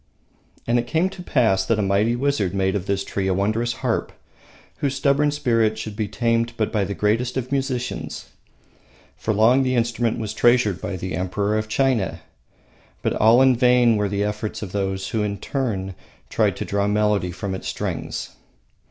And it came to pass that a mighty wizard made of this tree a wondrous harp, whose stubborn spirit should be tamed but by the greatest of musicians. For long the instrument was treasured by the Emperor of China, but all in vain were the efforts of those who in turn tried to draw melody from its strings.